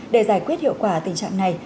để giải quyết hiệu quả tình trạng này